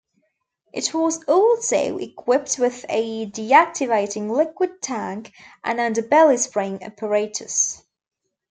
It was also equipped with a deactivating liquid tank and underbelly spraying apparatus.